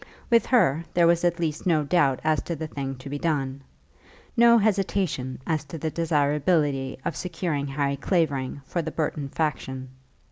With her, there was at least no doubt as to the thing to be done, no hesitation as to the desirability of securing Harry Clavering for the Burton faction.